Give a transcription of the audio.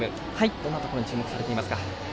どんなところに注目されていますか。